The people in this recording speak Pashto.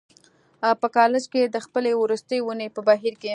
په کالج کې د خپلې وروستۍ اونۍ په بهير کې.